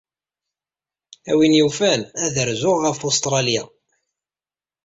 A win yufan ad rzuɣ ɣef Ustṛalya.